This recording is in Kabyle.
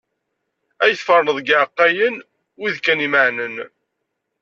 Ay teferneḍ deg yiɛeqqayen, wid kan imaɛnen.